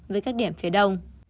với các điểm phía đông